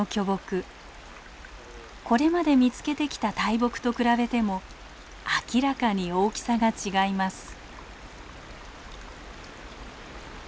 これまで見つけてきた大木と比べても明らかに大きさが違います。